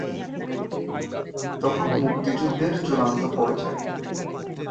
তখন মুক্তিযুদ্ধের চূড়ান্ত পর্যায়।